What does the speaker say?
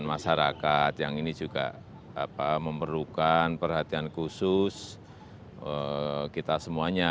masyarakat yang ini juga memerlukan perhatian khusus kita semuanya